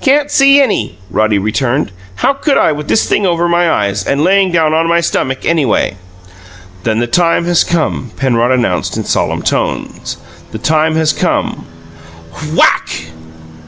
"Can't see any," Roddy returned. "How could I, with this thing over my eyes, and laying down on my stummick, anyway?" "Then the time has come," Penrod announced in solemn tones. "The time has come." Whack!